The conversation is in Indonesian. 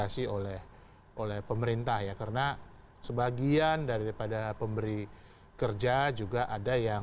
terima kasih oleh pemerintah ya karena sebagian daripada pemberi kerja juga ada yang